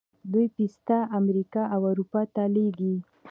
دوی پسته امریکا او اروپا ته لیږي.